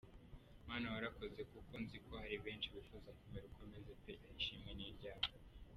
Mana warakoze kuko nziko haribenshi bifuza kumera uko meze pe ishimwe niryawe.